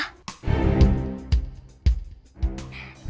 kenzo mau ke rumah sakit